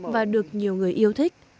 và được nhiều người yêu thích